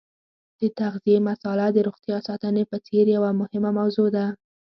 د تغذیې مساله د روغتیا ساتنې په څېر یوه مهمه موضوع ده.